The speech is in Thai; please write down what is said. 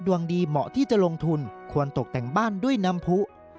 ดวงดีเหมาะที่จะลงทุนควรตกแต่งบ้านด้วยน้ำผู้